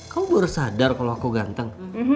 kamu baru sadar kalau aku ganteng